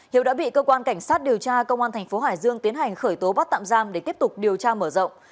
hiếu đã bị cơ quan cảnh sát điều tra công an thành phố hải dương tiến hành khởi tố bắt tạm giam để tiếp tục điều tra mở rộng